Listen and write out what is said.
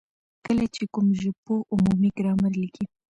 کله چي کوم ژبپوه عمومي ګرامر ليکي،